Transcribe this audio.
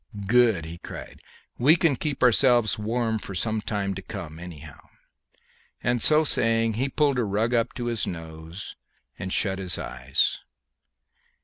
"Good," he cried; "we can keep ourselves warm for some time to come, anyhow." And so saying, he pulled a rug up to his nose and shut his eyes.